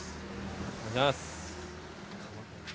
お願いします。